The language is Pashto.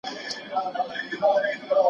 انټرنیټ د نړۍ د حالاتو په اړه معلومات ورکوي.